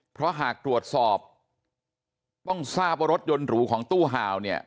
เพราะหากตรวจสอบต้องทราบว่ารถยนต์หรูของตู้ห่าวเนี่ย